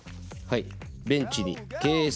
はい。